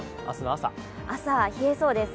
朝、冷えそうです。